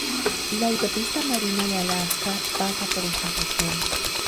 La Autopista Marina de Alaska pasa por esta región.